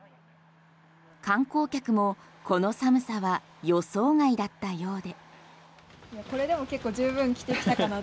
観光客も、この寒さは予想外だったようで。